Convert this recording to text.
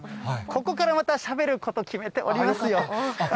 ここからまたしゃべること決めておりますよ。